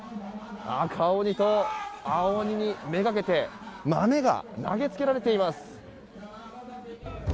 赤鬼と青鬼にめがけて豆が投げつけられています。